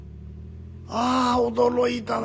あ驚いたな。